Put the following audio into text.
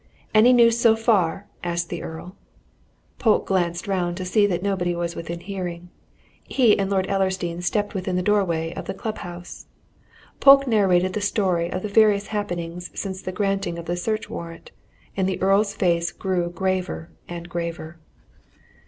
"Any news so far?" asked the Earl. Polke glanced round to see that nobody was within hearing. He and Lord Ellersdeane stepped within the doorway of the club house. Polke narrated the story of the various happenings since the granting of the search warrant, and the Earl's face grew graver and graver.